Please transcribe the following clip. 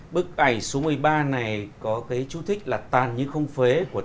bức ảnh số một mươi ba này có cái chú thích là tan như không phế của tên